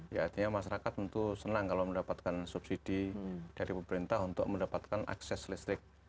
ya artinya masyarakat tentu senang kalau mendapatkan subsidi dari pemerintah untuk mendapatkan akses listrik